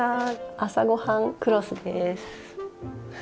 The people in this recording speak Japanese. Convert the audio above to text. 「朝ごはんクロス」です。